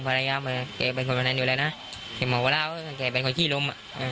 ภาระยำบอกว่าแกเป็นคนแบบนั้นอยู่นะแกโหมบะแล้วแกเป็นคนขี้ลม